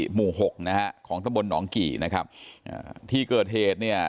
หมู่๖ของตะบนหนองกี่นะครับที่เกิดเหตุนี้